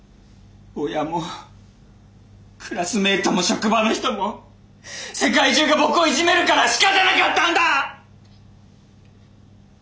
親もクラスメートも職場の人も世界中が僕をいじめるからしかたなかったんだ！